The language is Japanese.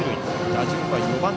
打順は４番。